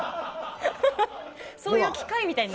そういう機械みたいに。